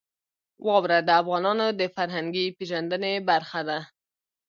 واوره د افغانانو د فرهنګي پیژندنې برخه ده.